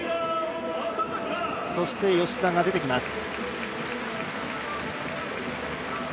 そして吉田が出てきます。